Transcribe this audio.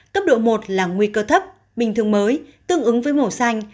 cấp độ một là nguy cơ thấp bình thường mới tương ứng với màu xanh